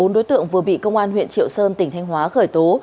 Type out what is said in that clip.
bốn đối tượng vừa bị công an huyện triệu sơn tỉnh thanh hóa khởi tố